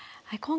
はい。